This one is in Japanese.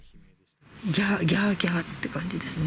ぎゃーぎゃーぎゃーって感じですね。